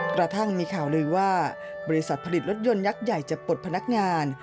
กระทั่งมีข่าวลือว่าบริษัทผลิตรถยนต์ยักษ์ใหญ่จะปลดพนักงาน